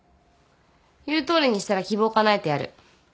言うとおりにしたら希望かなえてやる。